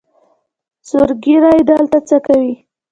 سور ږیریه دلته څۀ کوې؟